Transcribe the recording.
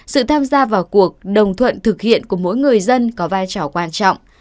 sự tham gia vào cuộc đồng thuận thực hiện của mỗi người dân có vai trò quan trọng